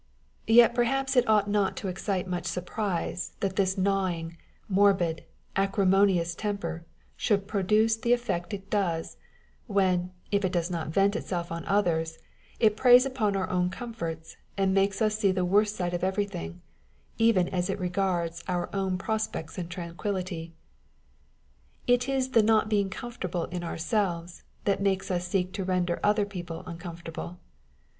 On the Spirit of Obligations. 107 Yet perhaps it ought not to excite much surprise that this gnawing, morbid, acrimonious temper should produce the effect it does, when, if it does not vent itself on others, it preys upon our own comforts, and makes us see the worst side of everything, even as it regards our own prospects and tranquillity. It is the not being comfortable in our eelves, that makes us seek to render other people uncom fortable.